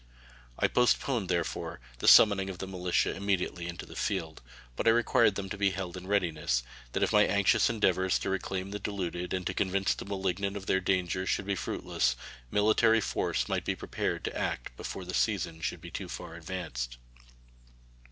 I postponed, therefore, the summoning of the militia immediately into the field, but I required them to be held in readiness, that if my anxious endeavors to reclaim the deluded and to convince the malignant of their danger should be fruitless, military force might be prepared to act before the season should be too far advanced.